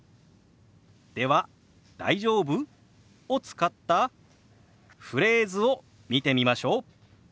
では「大丈夫？」を使ったフレーズを見てみましょう。